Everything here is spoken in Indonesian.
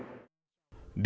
dibutuhkan kondisi yang berbeda